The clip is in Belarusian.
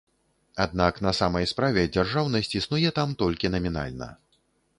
Аднак на самай справе дзяржаўнасць існуе там толькі намінальна.